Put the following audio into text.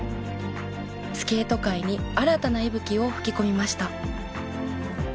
スケート界に新たな息吹を吹き込みました。